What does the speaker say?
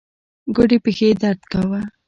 ګوډې پښې يې درد کاوه.